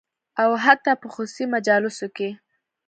او حتی په خصوصي مجالسو کې